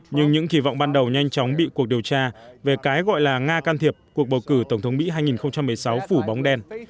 nhưng những kỳ vọng ban đầu nhanh chóng bị cuộc điều tra về cái gọi là nga can thiệp cuộc bầu cử tổng thống mỹ hai nghìn một mươi sáu phủ bóng đen